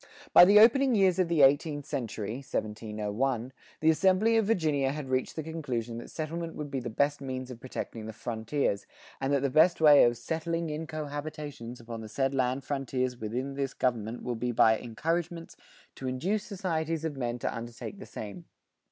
By the opening years of the eighteenth century (1701), the assembly of Virginia had reached the conclusion that settlement would be the best means of protecting the frontiers, and that the best way of "settling in co habitations upon the said land frontiers within this government will be by encouragements to induce societies of men to undertake the same."